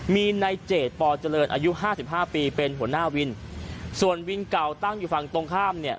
มีในเจดปเจริญอายุห้าสิบห้าปีเป็นหัวหน้าวินส่วนวินเก่าตั้งอยู่ฝั่งตรงข้ามเนี่ย